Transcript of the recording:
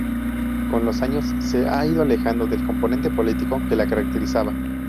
Con los años se ha ido alejando del componente político que la caracterizaba.